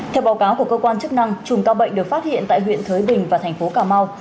theo báo cáo của cơ quan chức năng chùm cao bệnh được phát hiện tại huyện thới bình và tp cà mau